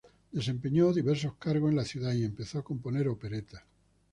Desempeñó diversos cargos en la ciudad, y empezó a componer operetas.